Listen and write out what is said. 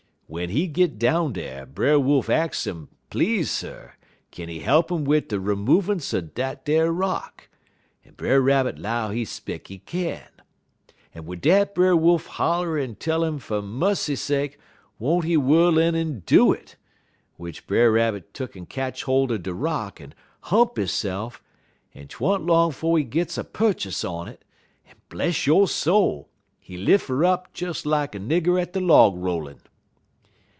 "W'en he git down dar Brer Wolf ax 'im please, sir, kin he he'p 'im wid de removance er dat ar rock, en Brer Rabbit 'low he 'speck he kin; en wid dat Brer Wolf holler en tell 'im fer mussy sake won't he whirl in en do it, w'ich Brer Rabbit tuck'n ketch holt er de rock en hump hisse'f, en 't wa'n't long 'fo' he git a purchis on it, en, bless yo' soul, he lif' 'er up des lak nigger at de log rollin'.